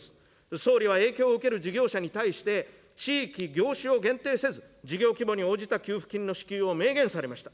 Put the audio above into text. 総理は影響を受ける事業者に対して、地域、業種を限定せず、事業規模に応じた給付金の支給を明言されました。